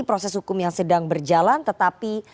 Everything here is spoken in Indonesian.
proses hukum yang sedang berjalan tetapi